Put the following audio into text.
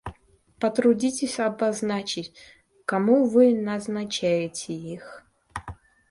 Потрудитесь обозначить, кому вы назначаете их?